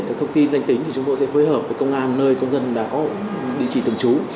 được thông tin danh tính thì chúng tôi sẽ phối hợp với công an nơi công dân đã có địa chỉ thường trú